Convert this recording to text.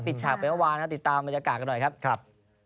ฉากไปเมื่อวานนะครับติดตามบรรยากาศกันหน่อยครับ